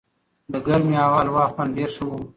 د ګرمې هلوا خوند ډېر ښه و.